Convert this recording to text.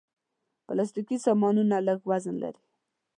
پلاستيکي سامانونه لږ وزن لري.